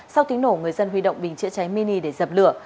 sau tiếng nổ người dân huy động bình chữa cháy mini để dập lửa